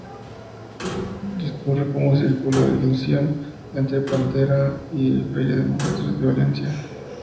Discurre como circunvalación entre Paterna y la Feria de Muestras de Valencia.